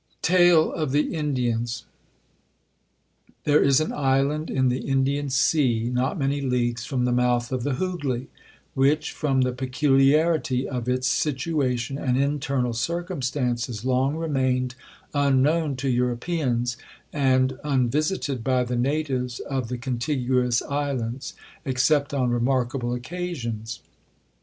Tale of the Indians 'There is an island in the Indian sea, not many leagues from the mouth of the Hoogly, which, from the peculiarity of its situation and internal circumstances, long remained unknown to Europeans, and unvisited by the natives of the contiguous islands, except on remarkable occasions.